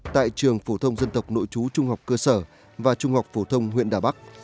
tại trường phổ thông dân tộc nội chú trung học cơ sở và trung học phổ thông huyện đà bắc